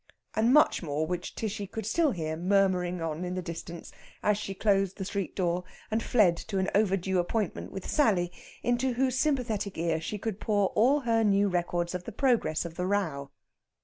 And much more which Tishy could still hear murmuring on in the distance as she closed the street door and fled to an overdue appointment with Sally, into whose sympathetic ear she could pour all her new records of the progress of the row.